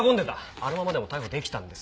あのままでも逮捕できたんです。